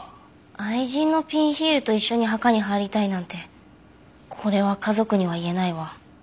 愛人のピンヒールと一緒に墓に入りたいなんてこれは家族には言えないわ。